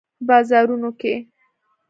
په بازارونو کې